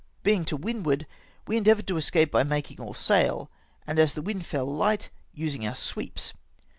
Being to windward, we endeavoured to escape by making all sail, and, as the wind fell hght, by using our sweeps.